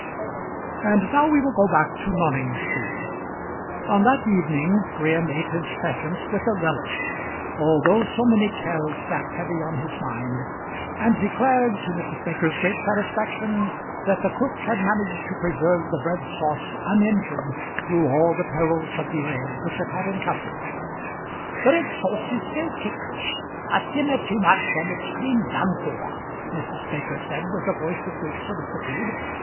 And now we will go back to Noningsby. On that evening Graham ate his pheasant with a relish although so many cares sat heavy on his mind, and declared, to Mrs. Baker's great satisfaction, that the cook had managed to preserve the bread sauce uninjured through all the perils of delay which it had encountered. "Bread sauce is so ticklish; a simmer too much and it's clean done for," Mrs. Baker said with a voice of great solicitude.